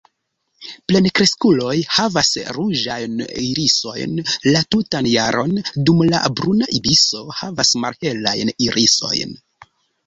Plenkreskuloj havas ruĝajn irisojn la tutan jaron, dum la Bruna ibiso havas malhelajn irisojn.